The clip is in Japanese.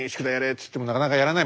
っつってもなかなかやらない。